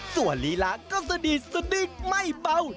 ตัวลีราก็สดิทธิ์ไม่เบา